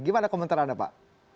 gimana komentar anda pak